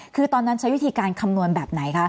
คือตอนนั้นใช้วิธีการคำนวณแบบไหนคะ